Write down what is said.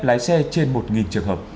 lái xe trên một trường hợp